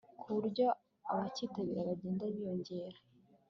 ku buryo abacyitabira bagenda biyongera